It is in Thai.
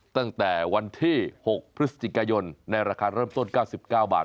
ตั้งแต่วันที่๖พฤศจิกายนในราคาเริ่มต้น๙๙บาท